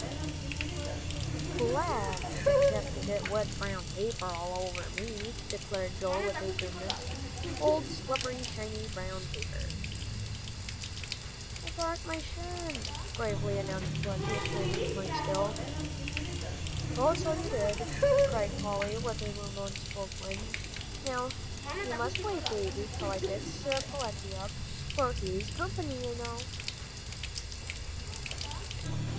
"I'm glad I haven't got to have wet brown paper all over me," declared Joel, with a grimace "old, slippery, shiny brown paper." "I barked my shin," gravely announced Peletiah, standing quite still. "Oh, so you did," cried Polly, with a remorseful twinge. "Now you must wait, Davie, till I fix Peletiah up, for he's company, you know."